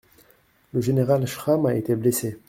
Le général Schramm a été blessé.